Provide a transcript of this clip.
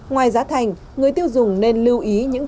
ngoài giá thành người tiêu dùng nên lưu ý những tiêu dùng